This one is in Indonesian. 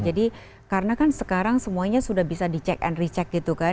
jadi karena kan sekarang semuanya sudah bisa dicek and recheck gitu kan